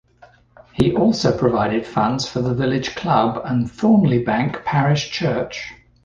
He also provided funds for the village club and Thornliebank Parish Church.